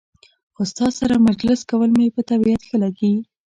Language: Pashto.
خو ستا سره مجلس کول مې په طبیعت ښه لګي.